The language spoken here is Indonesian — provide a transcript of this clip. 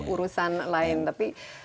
urusan lain tapi